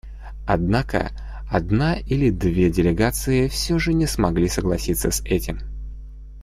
Однако одна или две делегации все же не смогли согласиться с этим.